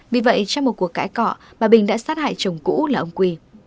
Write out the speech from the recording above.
vì vậy trong một cuộc cãi cọ bà bình đã sát hại chồng cũ là ông q